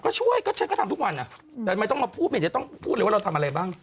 ก็ช่วยก็ฉันก็ทำทุกวันอ่ะแต่ทำไมต้องมาพูดไม่เห็นจะต้องพูดเลยว่าเราทำอะไรบ้าง